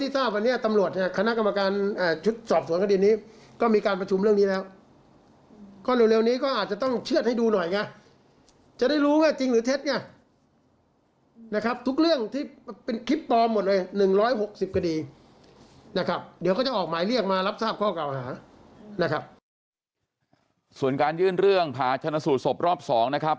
ส่วนการยื่นเรื่องผ่าชนะสูตรสบรอบ๒